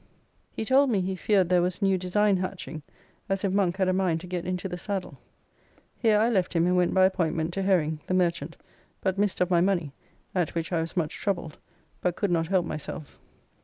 He told me he feared there was new design hatching, as if Monk had a mind to get into the saddle. Here I left him, and went by appointment to Hering, the merchant, but missed of my money, at which I was much troubled, but could not help myself.